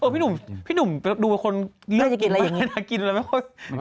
พี่หนุ่มดูตัวคนแเนียทรัพย์เขายังไม่ได้แบบนั้น